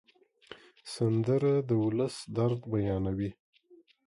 سندره د ولس درد بیانوي